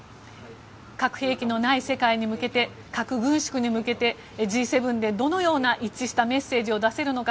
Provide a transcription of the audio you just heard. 核兵器のない世界に向けて核軍縮に向けてＧ７で、どのような一致したメッセージを出せるのか。